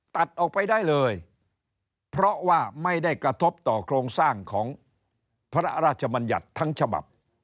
ตัดออกไปได้เลยเพราะว่าไม่ได้กระทบต่อโครงสร้างของพระราชบัญญัติทั้งฉบับ